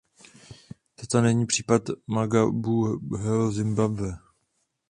Toto není případ Mugabeho Zimbabwe.